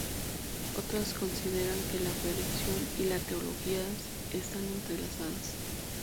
Otros consideran que la predicación y la teología están entrelazadas.